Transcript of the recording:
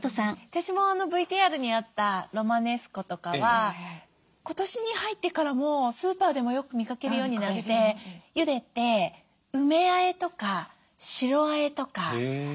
私もＶＴＲにあったロマネスコとかは今年に入ってからもうスーパーでもよく見かけるようになってゆでて梅あえとか白あえとか。